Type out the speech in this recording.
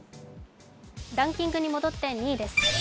ランキングに戻って２位です。